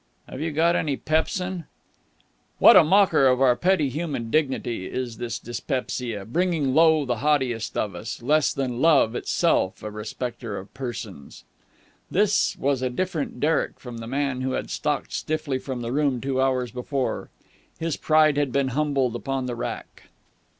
"Have you got any pepsin?" Derek uttered a groan. What a mocker of our petty human dignity is this dyspepsia, bringing low the haughtiest of us, less than love itself a respecter of persons. This was a different Derek from the man who had stalked stiffly from the room two hours before. His pride had been humbled upon the rack.